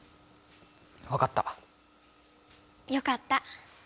わかった！よかった！